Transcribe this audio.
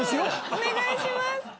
お願いします。